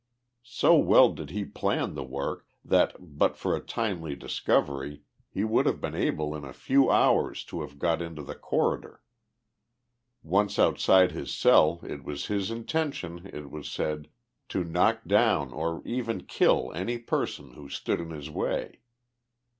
So well did he plan the work that, but for a timely discovery, he would have been able in a few hours to have got into the corridor. Once out side his cell it was his intention, it was said, to knock down, or even kill, any person, who stood in his way.